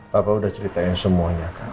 bapak udah ceritain semuanya kan